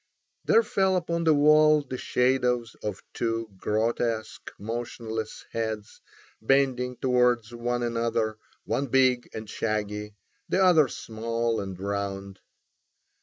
There fell upon the wall the shadows of two grotesque, motionless heads bending towards one another, one big and shaggy, the other small and round.